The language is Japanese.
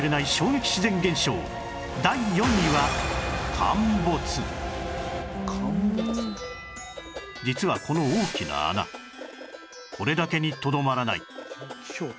そう実はこの大きな穴これだけにとどまらない